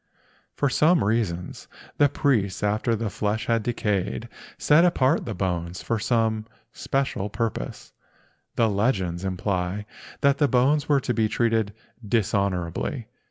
For some reason the priests, after the flesh had decayed, set apart the bones for some special purpose. The legends imply that the bones were to be treated dishonorably.